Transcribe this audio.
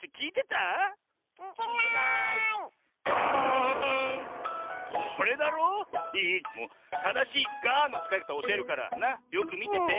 ただしいガーンのつかいかたをおしえるからよくみてて。